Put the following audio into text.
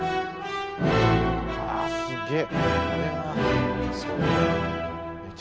あすっげえ。